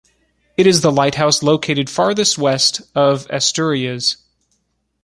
It is the lighthouse located farthest West of Asturias.